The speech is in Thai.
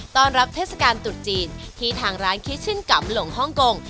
ตอนรับเทศกาลตุดจีนที่ทางร้านคิชชินกำหลงฮ่องกง